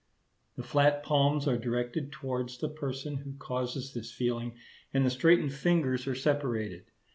The flat palms are directed towards the person who causes this feeling, and the straightened fingers are separated.